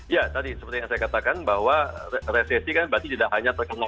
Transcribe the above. ya tadi seperti yang saya katakan bahwa resesi kan berarti tidak hanya terkenal